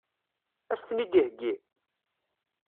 Ad as-ten-id-iheggi?